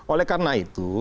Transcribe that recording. oleh karena itu